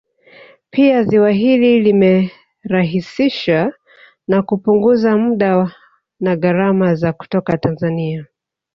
Pia ziwa hili limerahisishsa na kupunguza muda na gharama za kutoka Tanzania